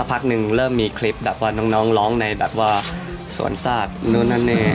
พักหนึ่งเริ่มมีคลิปแบบว่าน้องร้องในแบบว่าสวนศาสตร์นู่นนั่นนี่